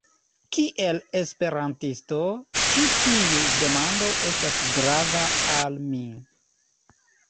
Kiel Esperantisto, ĉi tiu demando estas grava al mi.